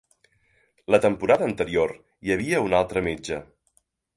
La temporada anterior hi havia un altre metge.